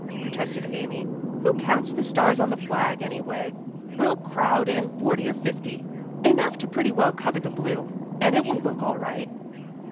protested Amy. "Who counts the stars on the flag, anyway? We'll crowd in forty or fifty, enough to pretty well cover the blue, and it will look all right."